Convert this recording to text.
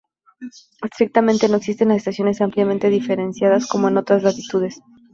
Estrictamente, no existen las estaciones ampliamente diferenciadas como en otras latitudes.